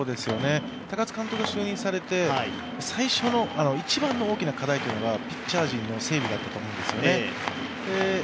高津監督が就任されて最初の一番の大きな課題だったのがピッチャー陣の整備だったと思うんですね